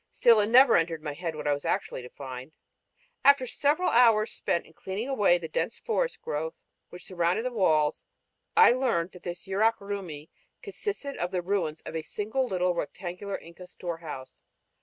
Still it never entered my head what I was actually to find. After several hours spent in clearing away the dense forest growth which surrounded the walls I learned that this Yurak Rumi consisted of the ruins of a single little rectangular Inca storehouse.